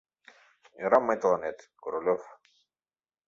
Ӧрам мый тыланет, Королёв!